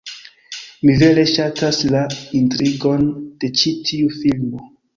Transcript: Mi vere ŝatas la intrigon de ĉi tiu filmo